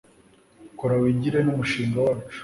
kora wigire numushinga wacu